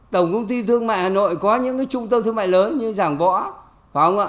tổng công ty thương mại hà nội có những trung tâm thương mại lớn như giảng võ